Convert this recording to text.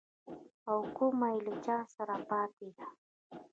او کومه يې له چا سره پاته ده.